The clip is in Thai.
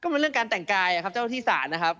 มันเรื่องการแต่งกายครับเจ้าที่ศาลนะครับ